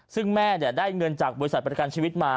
ซึ่งแม่ได้เงินจากบริษัทประกันชีวิตมา